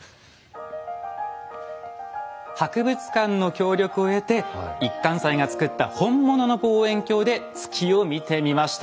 博物館の協力を得て一貫斎が作った本物の望遠鏡で月を見てみました。